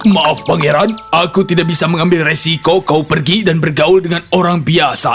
maaf pangeran aku tidak bisa mengambil resiko kau pergi dan bergaul dengan orang biasa